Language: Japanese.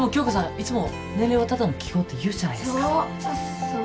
いつも年齢はただの記号って言うじゃないそう